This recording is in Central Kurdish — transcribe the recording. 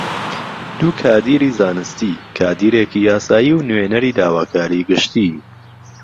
دوو کادیری زانستی، کادیرێکی یاسایی و نوێنهری داواکاری گشتی